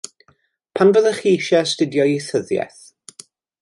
Pam fyddech chi eisiau astudio ieithyddiaeth?